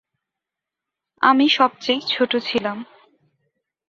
আমি সবচেয়ে ছোট ছিলাম।